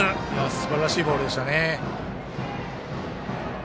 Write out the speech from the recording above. すばらしいボールでしたね。